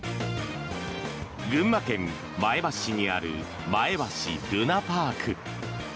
群馬県前橋市にある前橋るなぱあく。